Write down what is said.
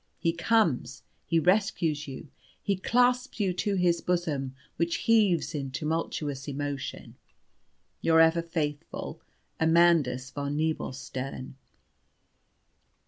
He comes; he rescues you; he clasps you to his bosom, which heaves in tumultuous emotion. "Your ever faithful "AMANDUS VON NEBELSTERN.